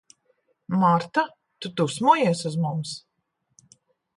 Marta, tu dusmojies uz mums?